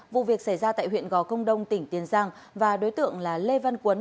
vụ việc xảy ra tại huyện gò công đông tỉnh tiền giang và đối tượng là lê văn quấn